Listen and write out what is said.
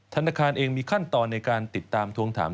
ธนาคารเองมีขั้นตอนในการติดตามทวงถาม